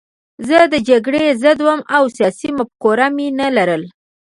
زه د جګړې ضد وم او سیاسي مفکوره مې نه لرله